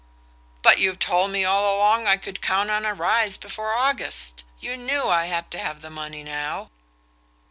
"But you've told me all along I could count on a rise before August. You knew I had to have the money now."